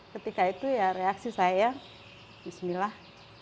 ketika itu ya reaksi saya bismillah